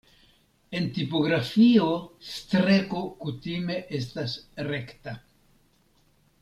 En tipografio streko kutime estas rekta.